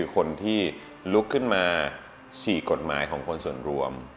คนที่ลุกขึ้นมาฉี่กฎหมายของคนส่วนรวม